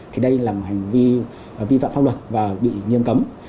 thì đây là một hành vi vi phạm pháp luật và bị nghiêm cấm